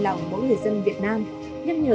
lòng mỗi người dân việt nam nhất nhờ